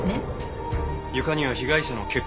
床には被害者の血痕もあった。